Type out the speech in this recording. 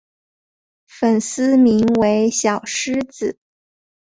粉丝名为小狮子。